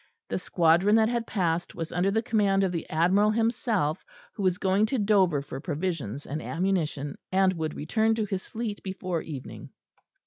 The squadron that had passed was under the command of the Admiral himself, who was going to Dover for provisions and ammunition, and would return to his fleet before evening.